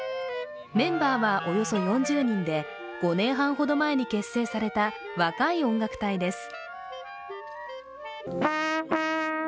メンバーはおよそ４０人で５年半ほど前に結成された若い音楽隊です。